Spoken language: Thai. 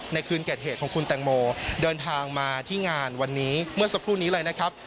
ในคืนเกิดเหตุของคุณแตงโมเดินทางมาที่งานวันนี้เมื่อสักครู่นี้เลยนะครับ